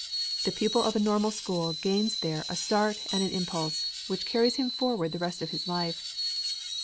The pupil of a Normal School gains there a start and an impulse, which carry him forward the rest of his life.